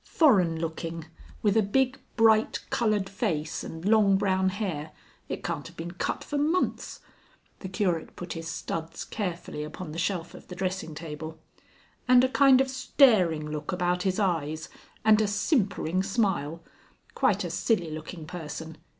Foreign looking, with a big bright coloured face and long brown hair.... It can't have been cut for months!" The Curate put his studs carefully upon the shelf of the dressing table. "And a kind of staring look about his eyes, and a simpering smile. Quite a silly looking person.